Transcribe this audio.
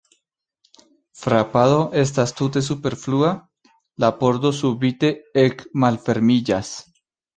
Frapado estas tute superflua, la pordo subite ekmalfermiĝas.